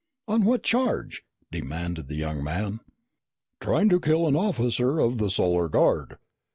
"On what charge?" demanded the young man. "Trying to kill an officer of the Solar Guard."